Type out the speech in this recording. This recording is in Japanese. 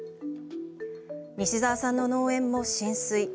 西澤さんの農園も浸水。